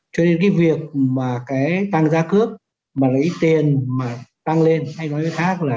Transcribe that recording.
cho nên cái việc mà cái tăng giá cước mà lấy tiền mà tăng lên hay nói cái khác là